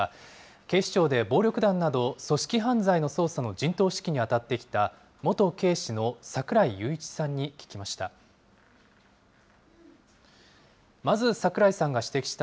警視庁で暴力団など組織犯罪の捜査の陣頭指揮に当たってきた、元警視の櫻井裕一さんに聞きました。